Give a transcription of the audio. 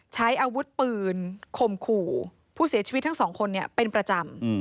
ใช้อาวุธปืนข่มขู่ผู้เสียชีวิตทั้งสองคนเป็นประจำ